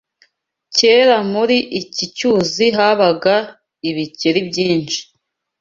Kera muri iki cyuzi habaga ibikeri byinshi.